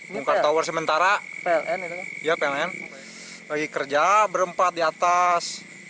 buka tower sementara pln lagi kerja berempat di atas